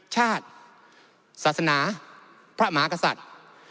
ชาติศาสนาพระมหากษัตริย์